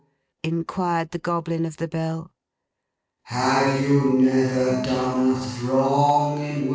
inquired the Goblin of the Bell.